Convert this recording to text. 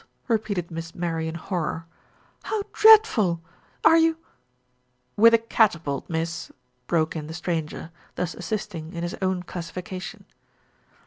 repeated Miss Mary in horror. "How dreadful ! Are you " "With a catapult, miss," broke in the stranger, thus assisting in his own classification.